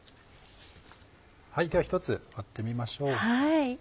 では１つ割ってみましょう。